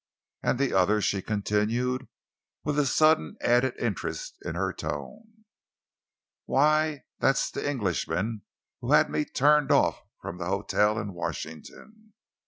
"And the other," she continued, with a sudden added interest in her tone "Why, that's the Englishman who had me turned off from the hotel in Washington.